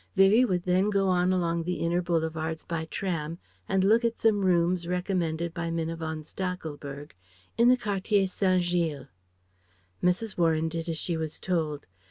Vivie would then go on along the inner Boulevards by tram and look at some rooms recommended by Minna von Stachelberg in the Quartier St. Gilles. Mrs. Warren did as she was told.